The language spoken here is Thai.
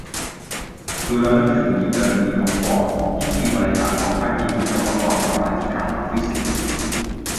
ดูแล้วนึกถึงอีกกรณีของฟอร์ด ที่ทีมบริหารบอกให้ทีมวิศวกรทำอะไรที่ขัดหลักฟิสิกส์